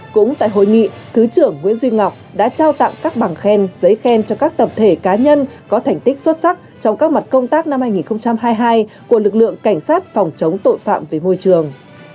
cũng tại hội nghị thứ trưởng nguyễn duy ngọc đã trao tặng các bằng khen giấy khen cho các tập thể cá nhân có thành tích xuất sắc trong các mặt công tác năm hai nghìn hai mươi hai của lực lượng cảnh sát phòng chống tội phạm về môi trường